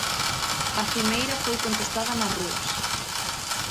A cimeira foi contestada nas rúas.